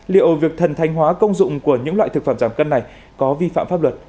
liệu việc thần thanh hóa công dụng của những loại thực phẩm giảm cân này có vi phạm pháp luật